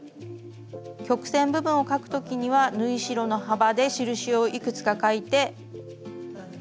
曲線部分を描く時には縫い代の幅で印をいくつか描いて。